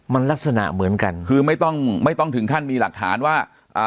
มันลักษณะเหมือนกันคือไม่ต้องแถมถึงท่านมีหรือหลักฐานว่า